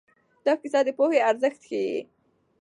دا کیسه د پوهې ارزښت ښيي.